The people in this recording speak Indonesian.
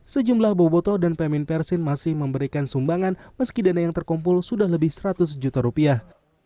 sejumlah boboto dan pemin persin masih memberikan sumbangan meski dana yang terkumpul sudah lebih seratus juta rupiah